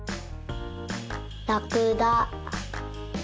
ラクダ。